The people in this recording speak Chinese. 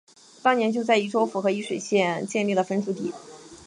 当年就在沂州府和沂水县建立了分驻地。